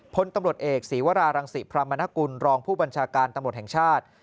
พลตำรวจเอกศีวรารังศิพรามนกุลรองผู้บัญชาการตำรวจแห่งชาติ